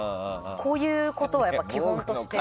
こういうことは基本として。